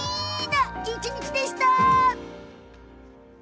な一日でした。